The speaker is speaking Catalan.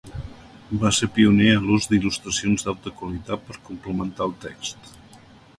Va ser pioner a l'ús d'il·lustracions d'alta qualitat per complementar el text.